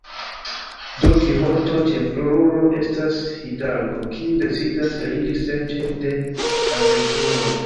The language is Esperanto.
Don Kiĥoto, ĉefrolulo, estas hidalgo kiu decidas eliri serĉe de aventuroj.